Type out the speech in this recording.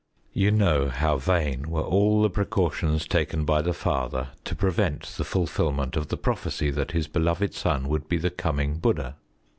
You know how vain were all the precautions taken by the father to prevent the fulfilment of the prophecy that his beloved son would be the coming Bud╠Żd╠Żha.